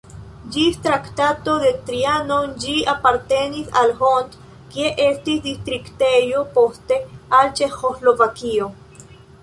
Ĝis Traktato de Trianon ĝi apartenis al Hont, kie estis distriktejo, poste al Ĉeĥoslovakio.